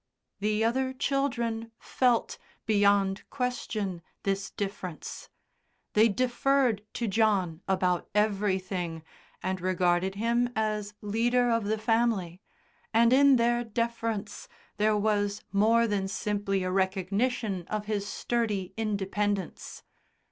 The other children felt, beyond question, this difference. They deferred to John about everything and regarded him as leader of the family, and in their deference there was more than simply a recognition of his sturdy independence.